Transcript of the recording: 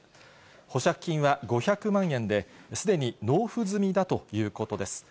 保釈金は５００万円で、すでに納付済みだということです。